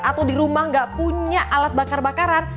atau di rumah nggak punya alat bakar bakaran